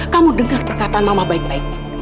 kamu dengar perkataan mama baik baik